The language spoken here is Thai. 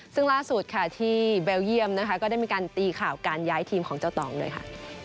ซึ่งล่าสุดค่ะที่เบลเยี่ยมนะคะก็ได้มีการตีข่าวการย้ายทีมของเจ้าตองด้วยค่ะ